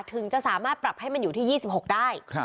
ถึงจะสามารถปรับให้มันอยู่ที่๒๖ได้